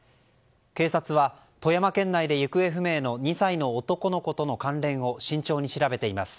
警察は富山県内で行方不明の２歳の男の子との関連を慎重に調べています。